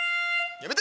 やめて！